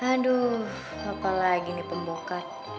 aduh apalagi nih pembokat